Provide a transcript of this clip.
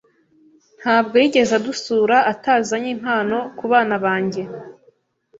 Ntabwo yigeze adusura atazanye impano kubana banjye.